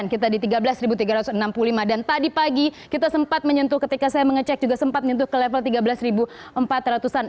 kita di tiga belas tiga ratus enam puluh lima dan tadi pagi kita sempat menyentuh ketika saya mengecek juga sempat menyentuh ke level tiga belas empat ratus an